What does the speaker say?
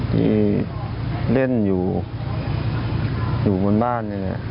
ที่เล่นอยู่อยู่บนบ้าน